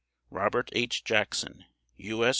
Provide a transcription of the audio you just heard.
ROBERT H. JACKSON U. S.